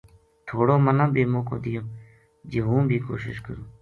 تھوڑو منا بی موقعو دیوں جی ہوں بھی کوشش کروں‘‘